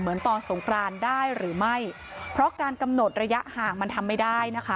เหมือนตอนสงกรานได้หรือไม่เพราะการกำหนดระยะห่างมันทำไม่ได้นะคะ